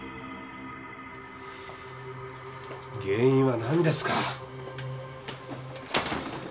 原因はなんですか？